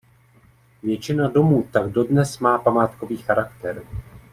Většina domů tak dodnes má památkový charakter.